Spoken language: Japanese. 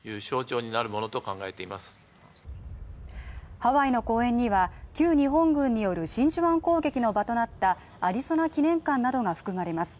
ハワイの公園には旧日本軍による真珠湾攻撃の場となった「アリゾナ」記念館などが含まれます。